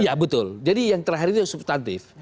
ya betul jadi yang terakhir itu substantif